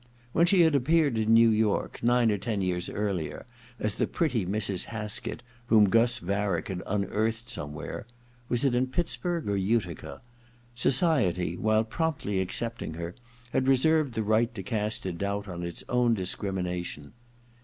When she had appeared in New York, nine or ten years earlier, as the pretty Mrs. Haskett whom Gus Varick had unearthed somewhere — was it in Pittsburg or Utica ?— society, while promptly accepting her, had reserved the right I THE OTHER TWO 43 to cast a doubt on its own discrimination.